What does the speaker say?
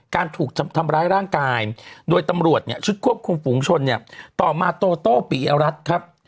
การถูกทำร้ายร่างกายโดยตำรวจเนี่ยชุดควบคุมฝูงชนเนี่ยต่อมาโตโต้ปิยรัฐครับ